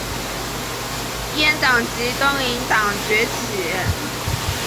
阉党及东林党崛起。